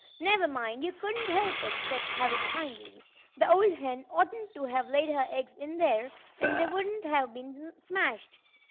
"Never mind! You couldn't help it," said Harry kindly. "The old hen oughtn't to have laid her eggs in here, and they wouldn't have been smashed.